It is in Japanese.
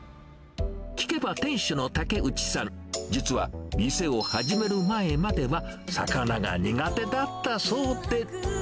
聞けば店主の竹内さん、実は、店を始める前までは魚が苦手だったそうで。